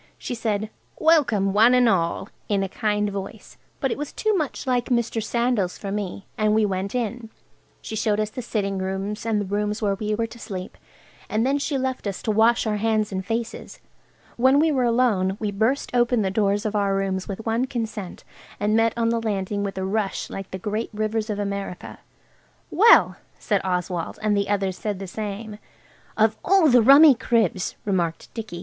She said, "Welcome, one and all!" in a kind voice, but it was too much like Mr. Sandal's for me. And we went in. She showed us the sitting rooms, and the rooms where we were to sleep, and then she left us to wash our hands and faces. When we were alone we burst open the doors of our rooms with one consent, and met on the landing with a rush like the great rivers of America. "Well!" said Oswald, and the others said the same. "Of all the rummy cribs!" remarked Dicky.